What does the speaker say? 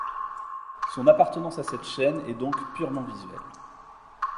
Son appartenance à cette chaine est donc purement visuelle.